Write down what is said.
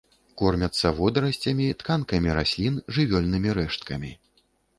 Кормяцца водарасцямі, тканкамі раслін, жывёльнымі рэшткамі.